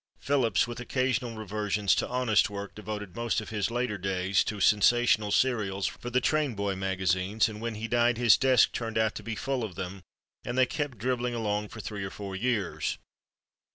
Phillips, with occasional reversions to honest work, devoted most of his later days to sensational serials for the train boy magazines, and when he died his desk turned out to be full of them, and they kept dribbling along for three or four years.